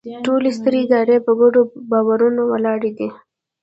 ټولې سترې ادارې په ګډو باورونو ولاړې دي.